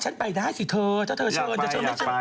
อ๋อฉันไปได้สิเธอถ้าเธอเชิญถ้าเธอเชิญให้ฉันอยากไปอยากไป